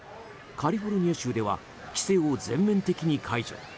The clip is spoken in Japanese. カリフォルニア州では規制を全面的に解除。